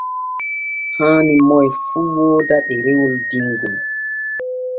Haani moy fu wooda ɗerewol dingol.